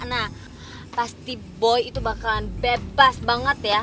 nah pasti boy itu bakalan bebas banget ya